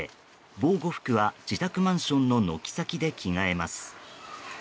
防護服は自宅マンションの軒先で着替えます。